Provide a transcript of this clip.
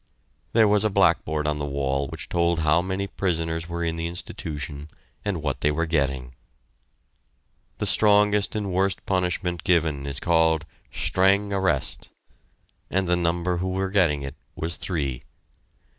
There was a blackboard on the wall which told how many prisoners were in the institution and what they were getting. The strongest and worst punishment given is called "Streng Arrest," and the number who were getting it was three.